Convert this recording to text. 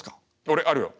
俺あるよ。